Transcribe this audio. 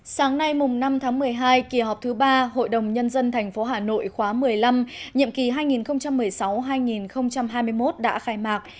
sáng nay năm tháng một mươi hai kỳ họp thứ ba hội đồng nhân dân tp hà nội khóa một mươi năm nhiệm kỳ hai nghìn một mươi sáu hai nghìn hai mươi một đã khai mạc